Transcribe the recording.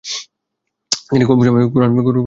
তিনি খুব কম সময়ে কোরাআন হাফিজ হয়ে যান।